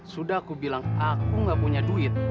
sudah aku bilang aku gak punya duit